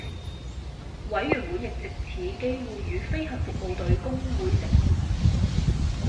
委員會亦藉此機會與飛行服務隊工會成員會面